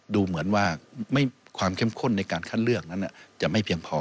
ดูเหมือนว่าความเข้มข้นในการคัดเลือกนั้นจะไม่เพียงพอ